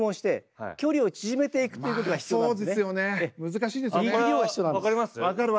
難しいですよね。